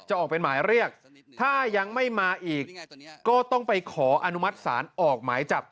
ออกเป็นหมายเรียกถ้ายังไม่มาอีกก็ต้องไปขออนุมัติศาลออกหมายจับ